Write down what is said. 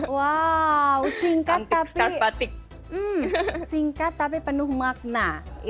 wow singkat tapi penuh makna